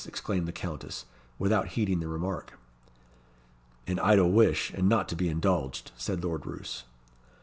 exclaimed the Countess, without heeding the remark. "An idle wish, and not to be indulged," said Lord Roos.